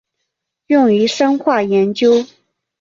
用于生化研究。